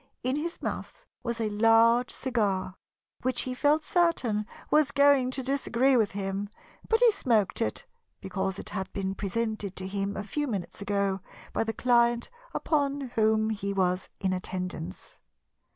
In his mouth was a large cigar which he felt certain was going to disagree with him, but he smoked it because it had been presented to him a few minutes ago by the client upon whom he was in attendance.